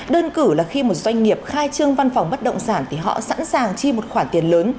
đơn cử là khi một doanh nghiệp khai trương văn phòng bất động sản thì họ sẵn sàng chi một khoản tiền lớn